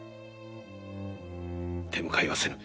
手向かいはせぬ。